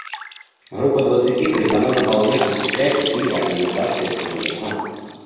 Группа двадцати призвана дополнять и укреплять усилия Организации Объединенных Наций.